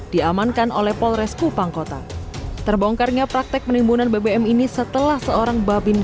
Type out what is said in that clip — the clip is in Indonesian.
diamankan oleh polres kupang kota terbongkarnya praktek penimbunan bbm ini setelah seorang babin